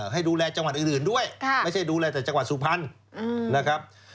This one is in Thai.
ให้ดูแลจังหวัดอื่นด้วยไม่ใช่ดูแลแต่จังหวัดสุพรรณนะครับ